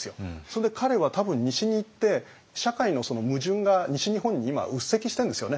それで彼は多分西に行って社会の矛盾が西日本に今うっせきしてるんですよね。